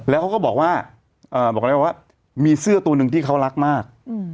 แล้วเขาก็บอกว่าบอกแล้วว่ามีเสื้อตัวหนึ่งที่เขารักมาก